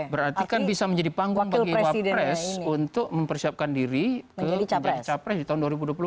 berarti kan bisa menjadi panggung bagi wapres untuk mempersiapkan diri menjadi capres di tahun dua ribu dua puluh empat